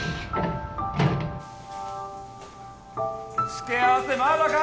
付け合わせまだか？